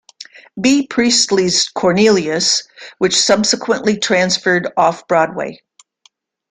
B. Priestley's "Cornelius" which subsequently transferred Off-Broadway.